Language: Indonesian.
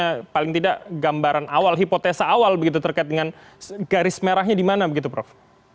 bagaimana paling tidak gambaran awal hipotesa awal begitu terkait dengan garis merahnya di mana begitu prof